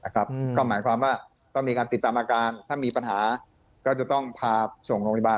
ก็หมายความว่าต้องมีการติดตามอาการถ้ามีปัญหาก็จะต้องพาส่งโรงพยาบาล